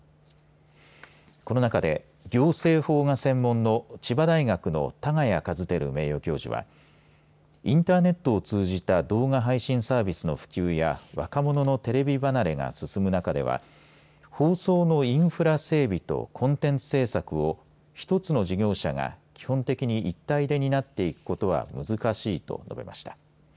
この中で行政法が専門の千葉大学の多賀谷一照名誉教授はインターネットを通じた動画配信サービスの普及や若者のテレビ離れが進む中では放送のインフラ整備とコンテンツ制作を１つの事業者が基本的に一体で担っていくことは難しいと述べました。